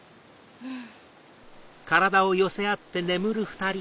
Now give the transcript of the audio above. うん。